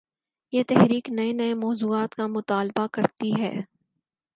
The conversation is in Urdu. یہ 'تحریک‘ نئے نئے مو ضوعات کا مطالبہ کر تی ہے۔